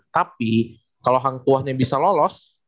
tapi kalau hang tuahnya bisa lolos